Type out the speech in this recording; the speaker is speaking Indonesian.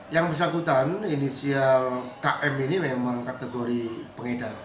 yang bersangkutan inisial km ini memang kategori pengedar